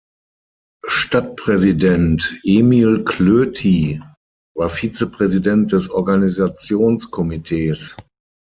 Stadtpräsident "Emil Klöti" war Vize-Präsident des Organisations-Komitees.